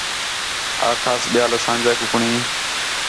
آکھاس ٻِیال اسانجیاں کُکڑیں